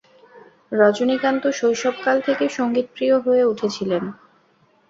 রজনীকান্ত শৈশবকাল থেকে সঙ্গীতপ্রিয় হয়ে উঠেছিলেন।